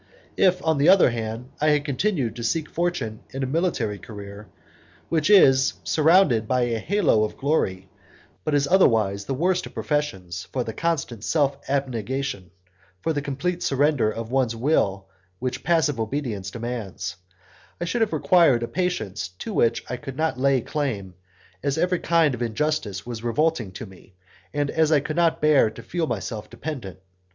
If, on the other hand, I had continued to seek fortune in a military career, which is surrounded by a halo of glory, but is otherwise the worst of professions for the constant self abnegation, for the complete surrender of one's will which passive obedience demands, I should have required a patience to which I could not lay any claim, as every kind of injustice was revolting to me, and as I could not bear to feel myself dependent.